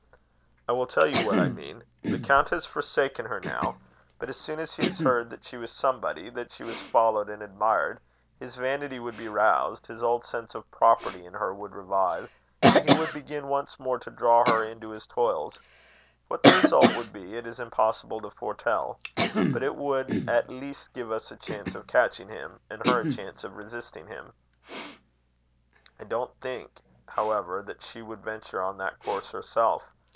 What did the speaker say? "I will tell you what I mean. The count has forsaken her now; but as soon as he heard that she was somebody, that she was followed and admired, his vanity would be roused, his old sense of property in her would revive, and he would begin once more to draw her into his toils. What the result would be, it is impossible to foretell; but it would at least give us a chance of catching him, and her a chance of resisting him." "I don't think, however, that she would venture on that course herself.